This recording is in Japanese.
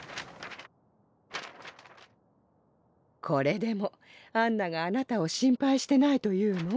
これでもアンナがあなたを心配してないと言うの？